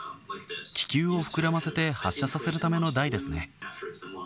気球を膨らませて発射させるための台ですね。